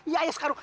ya ayah sekarung